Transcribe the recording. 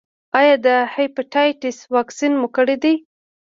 ایا د هیپاټایټس واکسین مو کړی دی؟